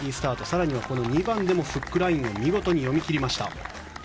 更には２番でもフックラインをうまく読み切りました。